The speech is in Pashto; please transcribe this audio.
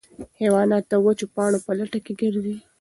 حیوانات د وچو پاڼو په لټه کې ګرځي.